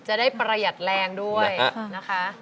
จะได้ประหยัดแรงด้วยนะคะ